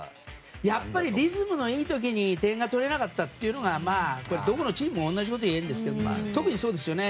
やっぱりリズムのいい時に点が取れなかったっていうのがこれはどこのチームにも同じことが言えるんですけど特にそうですよね。